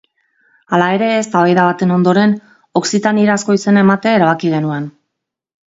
Hala ere, eztabaida baten ondoren, Okzitanierazko izena ematea erabaki genuen.